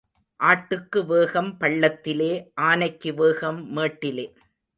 ஆட்டுக்கு வேகம் பள்ளத்திலே ஆனைக்கு வேகம் மேட்டிலே.